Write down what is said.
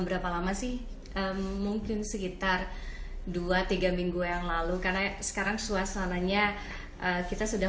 berapa lama sih mungkin sekitar dua tiga minggu yang lalu karena sekarang suasananya kita sudah